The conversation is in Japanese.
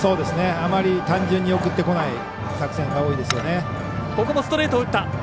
あまり単純に送ってこない作戦が多いですね。